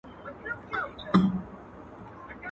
اوسېدله دوه ماران يوه ځنگله كي.